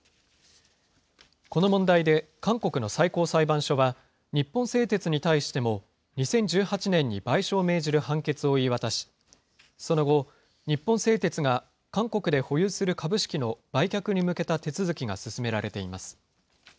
この問題で、韓国の最高裁判所は、日本製鉄に対しても２０１８年に賠償を命じる判決を言い渡し、その後、日本製鉄が韓国で保有する株式の売却に向けた手続きが進められています。